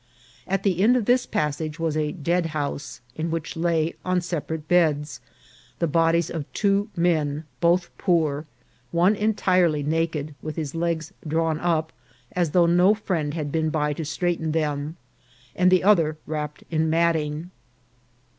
At the end of this passage was a deadhouse, in which lay, on separate beds, the bodies of two men, both poor, one entirely naked, with his legs drawn up, as though no friend had been by to straighten them, and the other wrapped in matting.